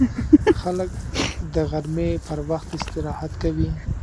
خلک د غرمې پر وخت استراحت کوي